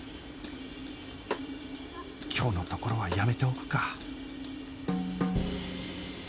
今日のところはやめておくか